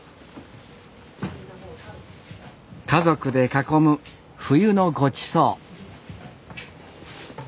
家族で囲む冬のごちそう。